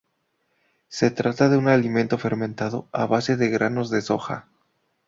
Se trata de un alimento fermentado a base de granos de soja.